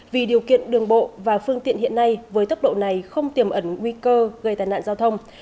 vì điều kiện đường bộ và phương tiện hiện nay với tốc độ này không tiềm ẩn nguy cơ gây tai nạn giao thông